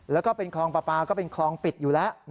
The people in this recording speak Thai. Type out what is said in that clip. แล้วก็เป็นคลองปลาปลาก็เป็นคลองปิดอยู่แล้ว